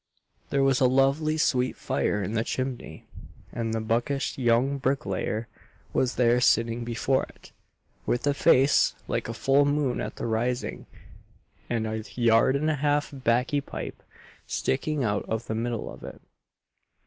There was a lovely sweet fire in the chimney, and the buckish young bricklayer was there sitting before it, with a face like a full moon at the rising, and a yard and a half backey pipe sticking out of the middle of it.